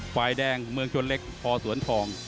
ฝ่ายแดงเมืองชนเล็กพอสวนทอง